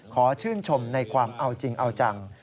ขอชื่นชมในความเอาจริงเอาจัง